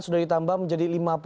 sudah ditambah menjadi lima puluh